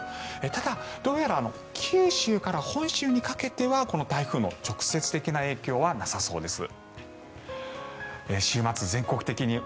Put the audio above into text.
ただ、どうやら九州から本州にかけてはこの台風の直接的な影響はなさそうです。